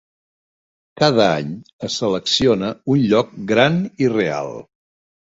Cada any, es selecciona un lloc gran i real.